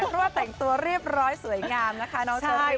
กลัวแต่งตัวเรียบร้อยสวยงามนะคะน้องเชอรี่